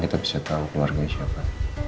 kita bisa tahu keluarganya siapa